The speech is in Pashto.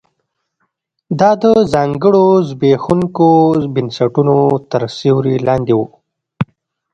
دا د ځانګړو زبېښونکو بنسټونو تر سیوري لاندې و